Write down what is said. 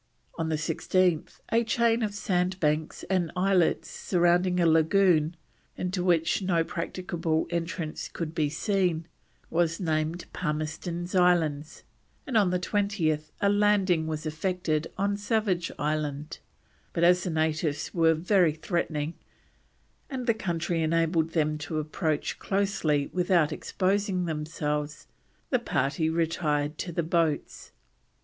On the 16th a chain of sand banks and islets surrounding a lagoon into which no practicable entrance could be seen, was named Palmerston's Islands; and on the 20th a landing was effected on Savage Island, but as the natives were very threatening, and the country enabled them to approach closely without exposing themselves, the party retired to the boats.